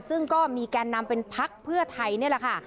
ซึ่งก็มีแกนนำเป็นพักเพื่อไทยนี่แหละค่ะ